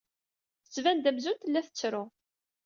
Tettban-d amzun tella tettru.